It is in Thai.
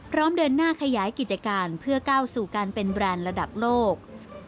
เดินหน้าขยายกิจการเพื่อก้าวสู่การเป็นแบรนด์ระดับโลก